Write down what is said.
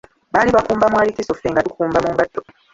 Baali bakumba mu arikiso Ffe nga tukumba mu ngatto!